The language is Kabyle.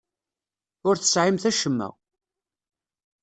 Ur tesɛimt acemma.